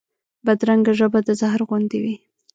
بدرنګه ژبه د زهر غوندې وي